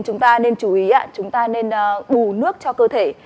chúng ta nên chú ý ạ chúng ta nên bù nước cho cơ thể